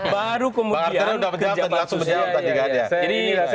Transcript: baru kemudian ke jawab jawab tadi